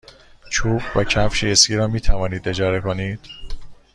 چوب و کفش اسکی را می توانید اجاره کنید.